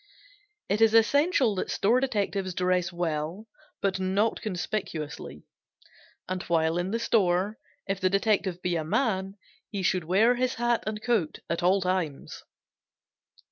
It is essential that store detectives dress well, but not conspicuously, and while in the store, if the detective be a man, he should wear his hat and coat at all times.